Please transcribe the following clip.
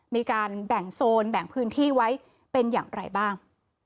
มีการแบ่งโซนแบ่งพื้นที่ไว้เป็นอย่างไรบ้าง